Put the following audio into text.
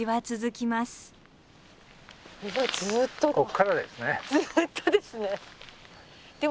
ずっとですね。